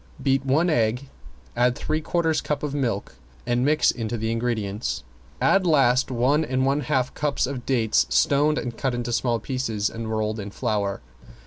Beat one egg, add three quarters cup of milk and mix into the ingredients. Add last one and one half cups of dates stoned and cut into small pieces and rolled in flour.